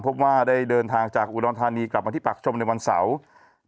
พบว่าได้เดินทางจากอุดรธานีกลับมาที่ปากชมในวันเสาร์